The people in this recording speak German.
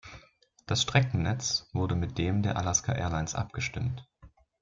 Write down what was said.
Das Streckennetz wurde mit dem der Alaska Airlines abgestimmt.